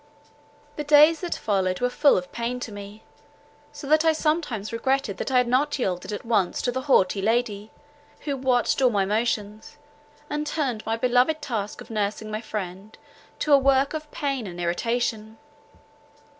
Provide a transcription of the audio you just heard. The days that followed were full of pain to me; so that I sometimes regretted that I had not yielded at once to the haughty lady, who watched all my motions, and turned my beloved task of nursing my friend to a work of pain and irritation.